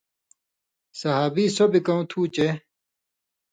صحابی سو بے کؤں تُھو چے